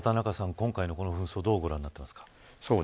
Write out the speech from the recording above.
今回のこの紛争をどうご覧になってますか。